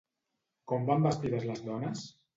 Com van vestides les dones?